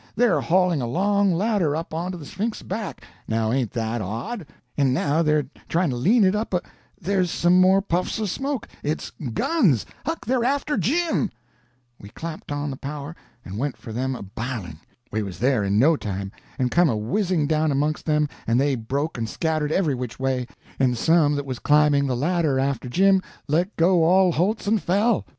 They're hauling a long ladder up onto the Sphinx's back—now ain't that odd? And now they're trying to lean it up a—there's some more puffs of smoke—it's guns! Huck, they're after Jim." [Illustration: "Rescue of Jim"] We clapped on the power, and went for them a biling. We was there in no time, and come a whizzing down amongst them, and they broke and scattered every which way, and some that was climbing the ladder after Jim let go all holts and fell.